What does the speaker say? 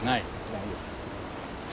ないです。